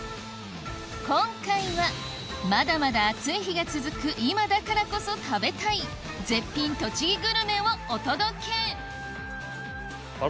今回はまだまだ暑い日が続く今だからこそ食べたい絶品栃木グルメをお届けあっ